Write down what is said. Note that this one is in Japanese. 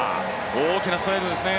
大きなストライドですね。